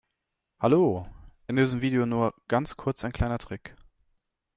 Hallo, in diesem Video nur ganz kurz ein kleiner Trick.